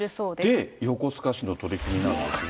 で、横須賀市の取り組みなんですが。